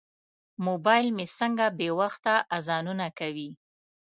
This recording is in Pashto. موبایل مې څنګه بې وخته اذانونه کوي.